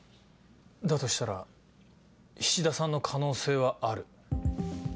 だとしたら菱田さんの可能性はある。